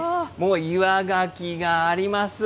岩がきがあります。